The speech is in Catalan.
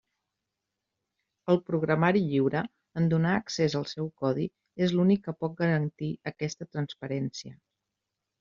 El programari lliure, en donar accés al seu codi, és l'únic que pot garantir aquesta transparència.